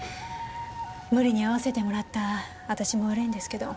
無理に会わせてもらった私も悪いんですけど。